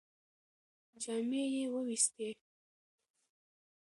جامې یې ووېستې.